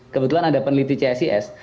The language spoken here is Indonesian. kebetulan ada peneliti csis